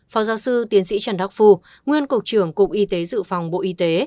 phó giáo sư tiến sĩ trần đắc phu nguyên cục trưởng cục y tế dự phòng bộ y tế